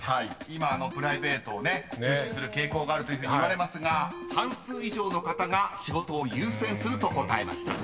［今プライベートをね重視する傾向があるというふうにいわれますが半数以上の方が仕事を優先すると答えました］